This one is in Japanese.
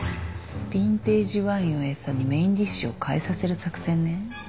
ヴィンテージワインを餌にメインディッシュを変えさせる作戦ね。